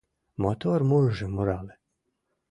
Мотор мурыжым мурале.